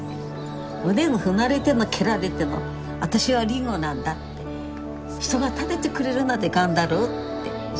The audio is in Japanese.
でも踏まれても蹴られても私はりんごなんだって人が食べてくれるまで頑張ろうってそう思うから。